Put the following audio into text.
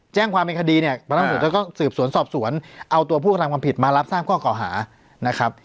แจ้งความเป็นคดีเนี้ยก็สืบสวนสอบสวนเอาตัวผู้กระทั่งความผิดมารับสร้างข้อเกาะหานะครับ